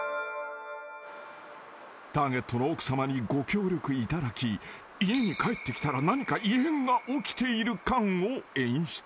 ［ターゲットの奥さまにご協力いただき家に帰ってきたら何か異変が起きている感を演出］